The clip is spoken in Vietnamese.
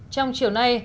trong chiều nay